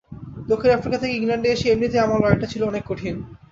দক্ষিণ আফ্রিকা থেকে ইংল্যান্ডে এসে এমনিতেই আমার লড়াইটা ছিল অনেক কঠিন।